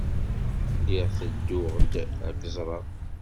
Lliɣ tedduɣ-d ad k-ẓreɣ.